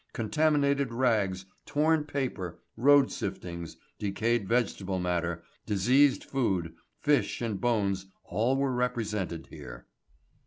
Contaminated rags, torn paper, road siftings, decayed vegetable matter, diseased food, fish and bones all were represented here.